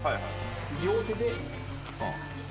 両手で。